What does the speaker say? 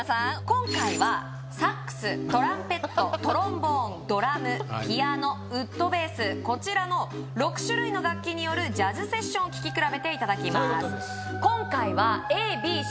今回はサックストランペットトロンボーンドラムピアノウッドベースこちらの６種類の楽器によるジャズセッションを聞き比べていただきますそういうことです